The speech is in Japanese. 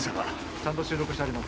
ちゃんと収録してあります。